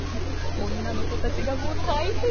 女の子たちがもう大変なのよ。